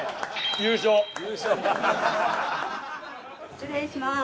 失礼します。